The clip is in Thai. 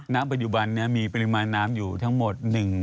ณปัจจุบันนี้มีปริมาณน้ำอยู่ทั้งหมด